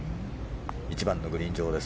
１番のグリーン上です